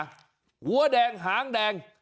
หัวแดงหางแดง